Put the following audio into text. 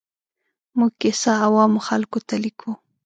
موږ کیسه عوامو خلکو ته لیکو.